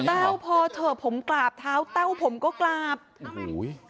แต้วพอเถอะผมกราบเท้าแต้วผมก็กราบโอ้โห